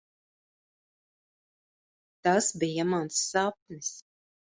Tas bija mans sapnis.